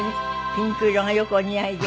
ピンク色がよくお似合いで。